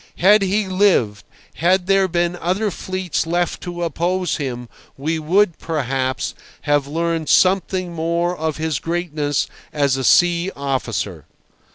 Had he lived, had there been other fleets left to oppose him, we would, perhaps, have learned something more of his greatness as a sea officer.